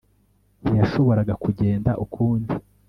Ntiyashoboraga kugenda ukundi